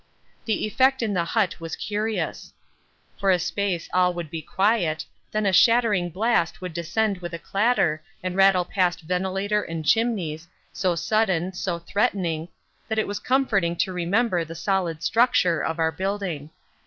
The effect in the hut was curious; for a space all would be quiet, then a shattering blast would descend with a clatter and rattle past ventilator and chimneys, so sudden, so threatening, that it was comforting to remember the solid structure of our building.